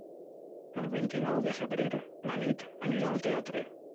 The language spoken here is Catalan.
El vint-i-nou de febrer na Nit anirà al teatre.